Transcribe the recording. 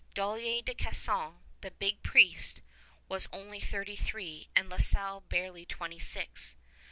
Dollier de Casson, the big priest, was only thirty three and La Salle barely twenty six.